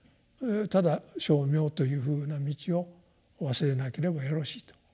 ただ称名というふうな道を忘れなければよろしいと。